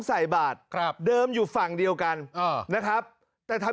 ใส่บาทครับเดิมอยู่ฝั่งเดียวกันอ่านะครับแต่ทำ